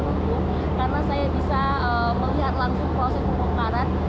dan kali ini saya berhubung karena saya bisa melihat langsung klosif pengukaran